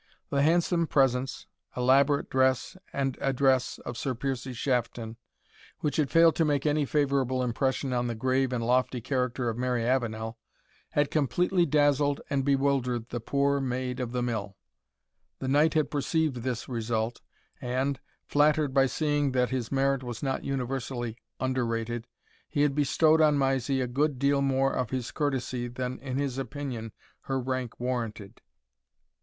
The handsome presence, elaborate dress and address, of Sir Piercie Shafton, which had failed to make any favorable impression on the grave and lofty character of Mary Avenel, had completely dazzled and bewildered the poor Maid of the Mill. The knight had perceived this result, and, flattered by seeing that his merit was not universally underrated, he had bestowed on Mysie a good deal more of his courtesy than in his opinion her rank warranted.